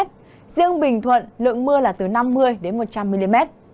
riêng bình thuận lượng mưa là từ năm mươi đến một trăm linh mm